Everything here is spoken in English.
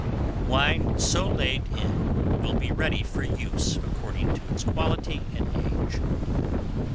Wine so laid in will be ready for use according to its quality and age.